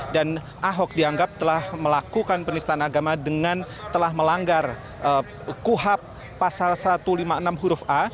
dan ahok dianggap telah melakukan penistaan agama dengan telah melanggar kuhab pasal satu ratus lima puluh enam huruf a